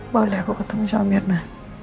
boleh aku ketemu sama mirna